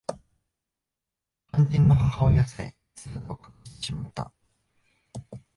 肝心の母親さえ姿を隠してしまった